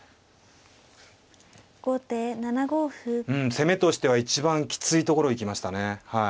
攻めとしては一番きついところ行きましたねはい。